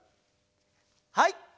はい！